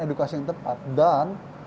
edukasi yang tepat dan